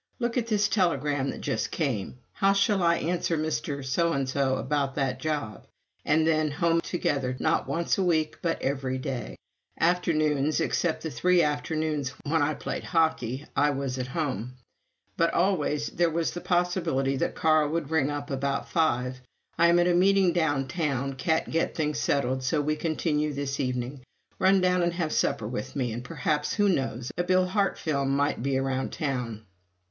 "Look at this telegram that just came in." "How shall I answer Mr. 's about that job?" And then home together; not once a week, but every day. Afternoons, except the three afternoons when I played hockey, I was at home; but always there was a possibility that Carl would ring up about five. "I am at a meeting down town. Can't get things settled, so we continue this evening. Run down and have supper with me, and perhaps, who knows, a Bill Hart film might be around town!"